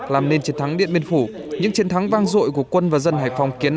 làm nên chiến thắng điện biên phủ những chiến thắng vang dội của quân và dân hải phòng kiến